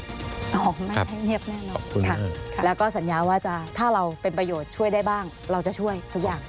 ออกแม่ให้เงียบแน่นอนค่ะแล้วก็สัญญาว่าจะถ้าเราเป็นประโยชน์ช่วยได้บ้างเราจะช่วยทุกอย่าง